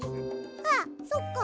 あっそっか。